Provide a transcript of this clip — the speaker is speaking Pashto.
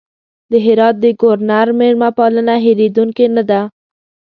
د هرات د ګورنر مېلمه پالنه هېرېدونکې نه ده.